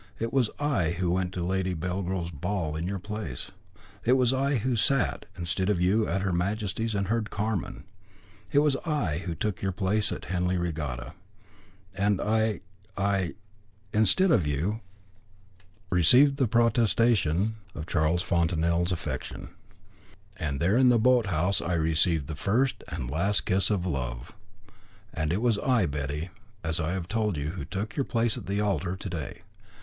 It was I who went to Lady Belgrove's ball in your place. It was I who sat instead of you at Her Majesty's and heard Carmen. It was I who took your place at Henley Regatta, and I I, instead of you, received the protestation of Charles Fontanel's affection, and there in the boat house I received the first and last kiss of love. And it was I, Betty, as I have told you, who took your place at the altar to day.